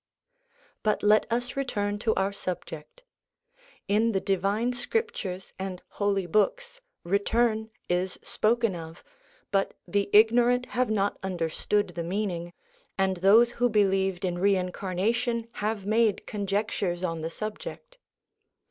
But let us return to our subject. In the Divine Scriptures and Holy Books 'return' is spoken of, but the ignorant have not understood the meaning, and those who believed in reincarnation have made conjectures on the subject.